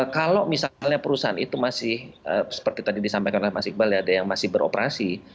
kalau misalnya perusahaan itu masih seperti tadi disampaikan oleh mas iqbal ya ada yang masih beroperasi